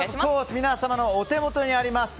皆様のお手元にあります